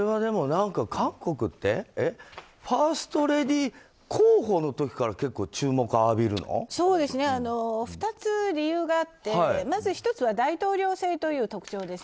韓国ってファーストレディー候補の時から２つ理由があって、まず１つは大統領制という特徴です。